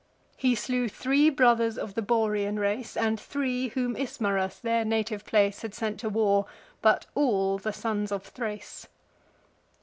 He slew three brothers of the Borean race, And three, whom Ismarus, their native place, Had sent to war, but all the sons of Thrace.